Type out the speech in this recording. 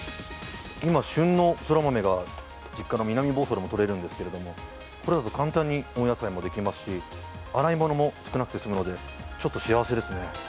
今、旬のそらまめが実家の南房総でもとれるんですけどこれだと簡単に温野菜もできますし洗い物も少なくて済みますのでちょっと幸せですね。